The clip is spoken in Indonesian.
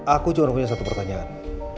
aku cuma punya satu pertanyaan